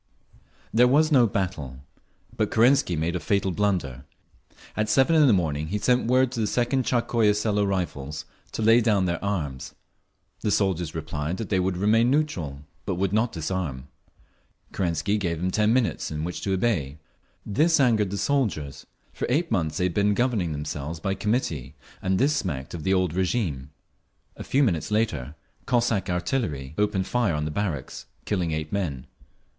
There was no battle. But Kerensky made a fatal blunder. At seven in the morning he sent word to the Second Tsarskoye Selo Rifles to lay down their arms. The soldiers replied that they would remain neutral, but would not disarm. Kerensky gave them ten minutes in which to obey. This angered the soldiers; for eight months they had been governing themselves by committee, and this smacked of the old régime…. A few minutes later Cossack artillery opened fire on the barracks, killing eight men.